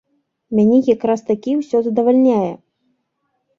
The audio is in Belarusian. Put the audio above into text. Мяне якраз-такі ўсё задавальняе.